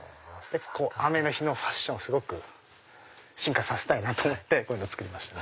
雨の日のファッションを進化させたいと思ってこういうの作りました。